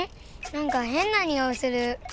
なんかへんなにおいする。